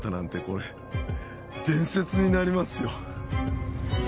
これ伝説になりますよ